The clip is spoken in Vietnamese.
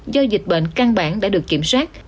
do dịch bệnh căng bản đã được kiểm soát